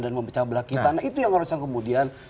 dan mempecah belah kita nah itu yang harusnya kemudian